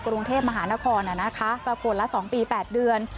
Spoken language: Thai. กรุงเทพมหานครก็คนละ๒ปี๘เดือน